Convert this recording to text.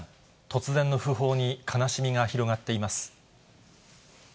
突然の訃報に悲しみが広がっています。